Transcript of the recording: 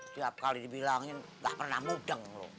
tiap kali dibilangin gak pernah mudeng loh